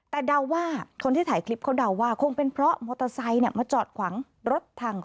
ทางตรง